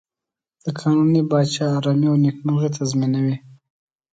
د قانوني پاچا آرامي او نېکمرغي تضمینوي.